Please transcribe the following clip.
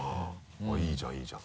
いいじゃんいいじゃん。